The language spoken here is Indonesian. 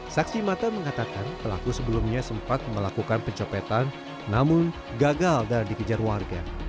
saksi mata mengatakan pelaku sebelumnya sempat melakukan pencopetan namun gagal dan dikejar warga